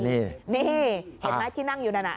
นี่เห็นไหมที่นั่งอยู่นั่นน่ะ